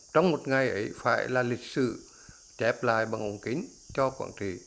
trong một ngày ấy phải là lịch sử chép lại bằng ống kính cho quảng trị